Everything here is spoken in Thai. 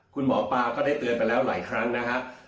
คุณหมอปลาก็ได้เตือนไปแล้วหลายครั้งนะครับ